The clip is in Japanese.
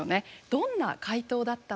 どんな回答だったのか。